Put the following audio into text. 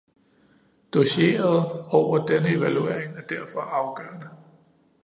Dossieret over denne evaluering er derfor afgørende.